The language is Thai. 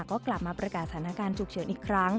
ก็กลับมาประกาศสถานการณ์ฉุกเฉินอีกครั้ง